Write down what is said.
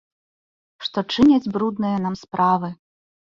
Што чыняць брудныя нам справы.